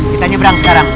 kita nyebrang sekarang